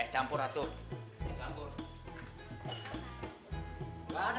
eh campur atur